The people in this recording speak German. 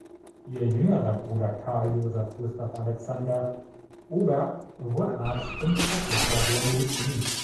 Ihr jüngerer Bruder Carl Joseph Gustav Alexander Oberg wurde Arzt und Professor der Medizin.